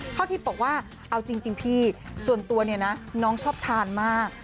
ข้าวทิพย์บอกว่าเอาจริงพี่ส่วนตัวเนี่ยนะน้องชอบทานมาก